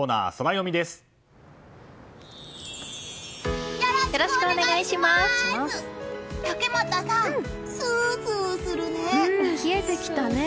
うん、冷えてきたね。